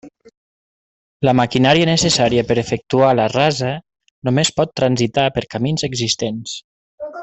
La maquinària necessària per efectuar la rasa només pot transitar per camins existents.